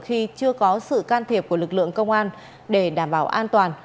khi chưa có sự can thiệp của lực lượng công an để đảm bảo an toàn